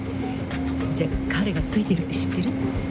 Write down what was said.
じゃあ彼がツイてるって知ってる？